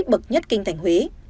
bậc nhất kinh thành huế